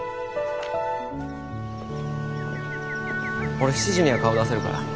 俺７時には顔出せるから。